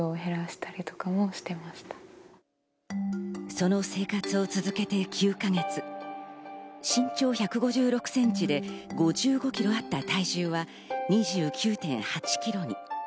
その生活を続けて９か月、身長１５６ｃｍで５５ｋｇあった体重は２９．８ｋｇに。